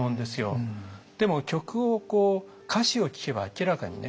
でも曲をこう歌詞を聞けば明らかにね